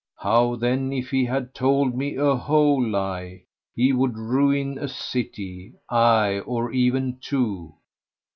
How, then, if he had told me a whole lie? He would ruin a city, aye or even two."